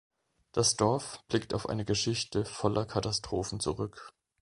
Das Dorf blickt auf eine Geschichte voller Katastrophen zurück.